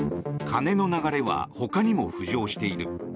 金の流れはほかにも浮上している。